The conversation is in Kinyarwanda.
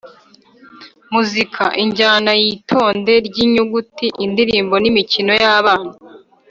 Muzika: injyana y’itonde ry’inyuguti, indirimbo n’imikino y’abana.